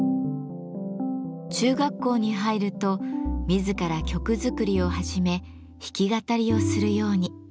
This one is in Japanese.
中学校に入ると自ら曲作りを始め弾き語りをするように。